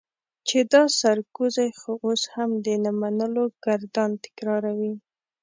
چې دا سرکوزی خو اوس هم د نه منلو ګردان تکراروي.